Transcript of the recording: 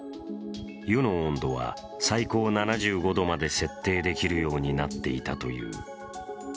湯の温度は最高７５度まで設定できるようになっていたという。